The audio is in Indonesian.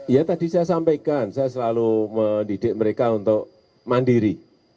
ya tadi saya sampaikan saya selalu mendidik mereka untuk mandiri